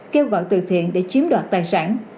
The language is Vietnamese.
kêu gọi từ thiện để chiếm đoạt tài sản